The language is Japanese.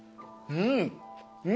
うん！